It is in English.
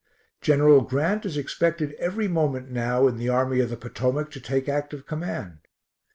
Gen. Grant is expected every moment now in the Army of the Potomac to take active command.